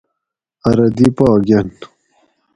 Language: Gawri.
ارو دی پا گۤن